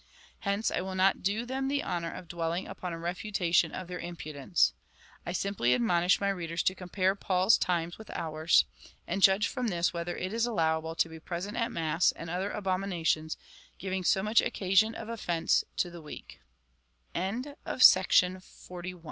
Hence I will not do them the honour of dwelling upon a refutation of their impudence. I simply admonish my readers to compare Paul's times with ours, and judge from this whether it is allowable to be present at mass, and other abominations, giving so much occasion